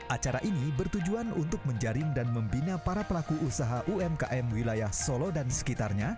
acara ini bertujuan untuk menjaring dan membina para pelaku usaha umkm wilayah solo dan sekitarnya